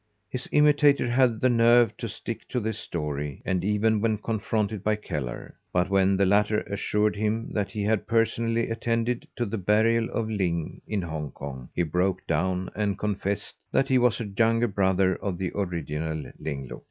His imitator had the nerve to stick to his story even when confronted by Kellar, but when the latter assured him that he had personally attended the burial of Ling, in Hong Kong, he broke down and confessed that he was a younger brother of the original Ling Look.